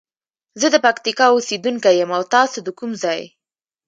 زه د پکتیکا اوسیدونکی یم او تاسو د کوم ځاي؟